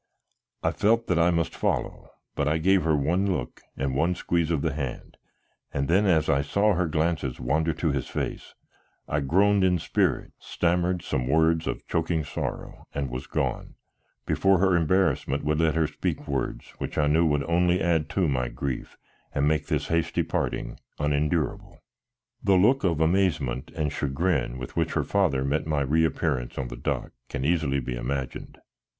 I felt that I must follow, but I gave her one look and one squeeze of the hand, and then as I saw her glances wander to his face, I groaned in spirit, stammered some words of choking sorrow and was gone, before her embarrassment would let her speak words, which I knew would only add to my grief and make this hasty parting unendurable. The look of amazement and chagrin with which her father met my reappearance on the dock can easily be imagined.